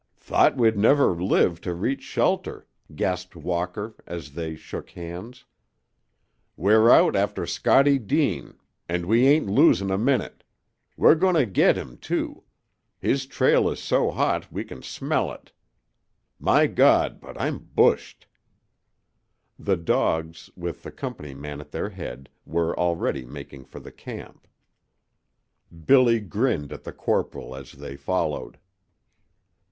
"Thought we'd never live to reach shelter," gasped Walker, as they shook hands. "We're out after Scottie Deane, and we ain't losing a minute. We're going to get him, too. His trail is so hot we can smell it. My God, but I'm bushed!" The dogs, with the company man at their head, were already making for the camp. Billy grinned at the corporal as they followed.